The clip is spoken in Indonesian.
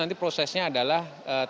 jadi prosesnya adalah